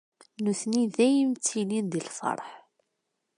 Nutni dayem ttilin di lferḥ.